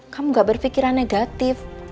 kamu enggak berpikiran negatif